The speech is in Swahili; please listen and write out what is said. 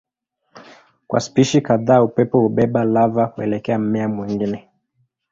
Kwa spishi kadhaa upepo hubeba lava kuelekea mmea mwingine.